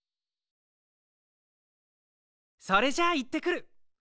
それじゃいってくる。